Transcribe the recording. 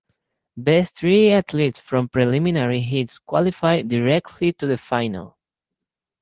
Best three athletes from preliminary heats qualify directly to the final.